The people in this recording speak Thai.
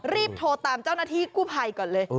รีบโทรตามเจ้าหน้าที่กู้ภัยก่อนเลย